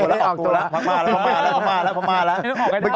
พม่าแล้วพม่าแล้วพม่าแล้ว